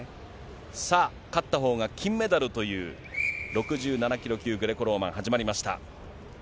さあ、勝ったほうが金メダルという、６７キロ級グレコローマン始まりました。